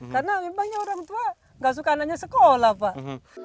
karena memangnya orang tua enggak suka anaknya sekolah pak